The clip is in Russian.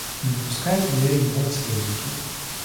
Не выпускают ее и его наследники.